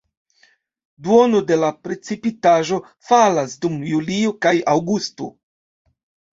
Duono de la precipitaĵo falas dum julio kaj aŭgusto.